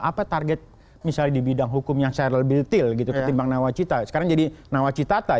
apa target misal di bidang hukum yang serlebil til gitu ketimbang nawacita sekarang jadi nawacitata